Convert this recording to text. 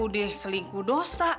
udah selingkuh dosa